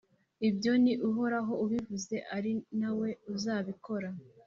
ibyo ni uhoraho ubivuze, ari na we uzabikora.